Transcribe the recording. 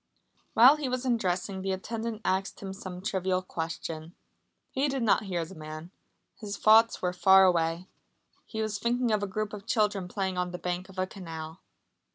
While he was undressing the attendant asked him some trivial question. He did not hear the man. His thoughts were far away. He was thinking of a group of children playing on the bank of a canal.